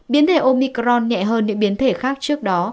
biến thể omicron nhẹ hơn những biến thể khác trước đó